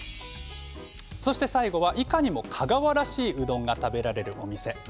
最後はいかにも香川らしいうどんが食べられるお店です。